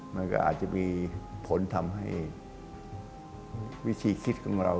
มันก็อาจจะมีผลทำให้วิธีคิดของเรา